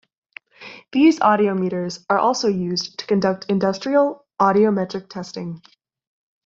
These audiometers are also used to conduct industrial audiometric testing.